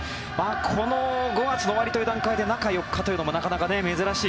この５月の終わりという段階で中４日というのもなかなか珍しい。